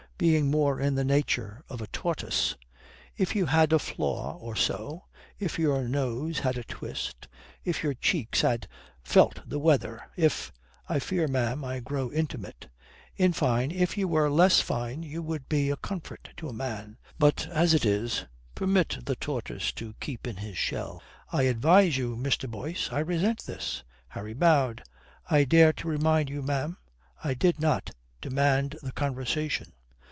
Being more in the nature of a tortoise." "If you had a flaw or so: if your nose had a twist; if your cheeks had felt the weather; if I fear, ma'am, I grow intimate. In fine, if you were less fine, you would be a comfort to a man. But as it is permit the tortoise to keep in his shell." "I advise you, Mr. Boyce I resent this." Harry bowed. "I dare to remind you, ma'am I did not demand the conversation."